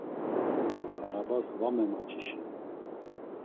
Arabas var memaç̌uşinu.